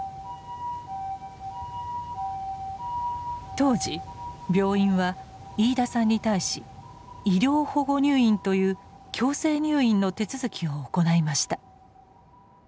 当時病院は飯田さんに対し「医療保護入院」という強制入院の手続きを行いました。